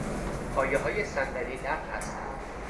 پایههای صندلی لق هستند.